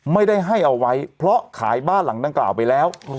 ไม่ได้ให้เอาไว้เพราะขายบ้านหลังดังกล่าวไปแล้ว